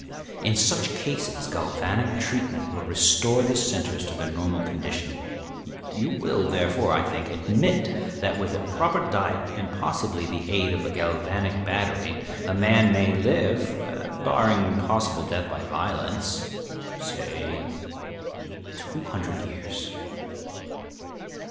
In such cases galvanic treatment will restore the centres to their normal condition. You will, therefore, I think, admit that with proper diet and possibly the aid of a galvanic battery a man may live, barring possible death by violence, say, two hundred years."